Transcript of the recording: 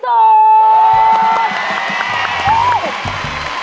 ถูก